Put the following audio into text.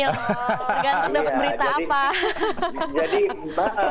tergantung ada berita apa